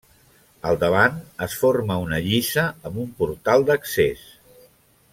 Al davant es forma una lliça amb un portal d'accés.